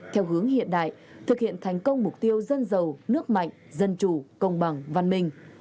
theo hướng hiện đại thực hiện thành công mục tiêu dân giàu nước mạnh dân chủ công bằng văn minh